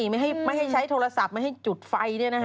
ไม่ให้ใช้โทรศัพท์ไม่ให้จุดไฟเนี่ยนะฮะ